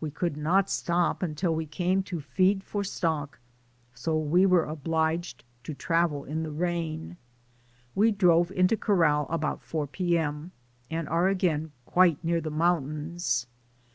We could not stop until we came to feed for stock, so we were obliged . to travel in the rain. We drove into corral about four p.m., and are again quite near the mountains.